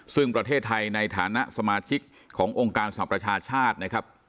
ซึ่งประเทศไทยในฐานะสมาชิกขององค์การสรรประชาชาตินะครับ